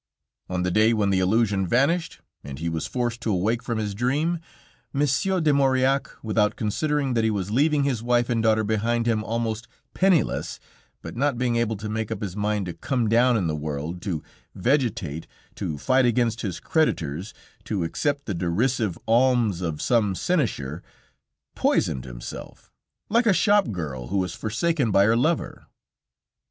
On the day when the illusion vanished, and he was forced to awake from his dream, Monsieur de Maurillac, without considering that he was leaving his wife and daughter behind him almost penniless, but not being able to make up his mind to come down in the world, to vegetate, to fight against his creditors, to accept the derisive alms of some sinecure, poisoned himself, like a shop girl who is forsaken by her lover.